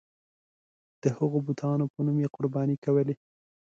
د هغو بتانو په نوم یې قرباني کولې.